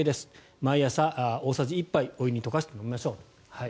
毎朝、大さじ１杯お湯に溶かして飲みましょう。